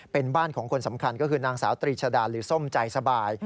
เป็นบ้านของคนสำคัญก็คือนางสาวตรีชดาหรือส้มใจสบาย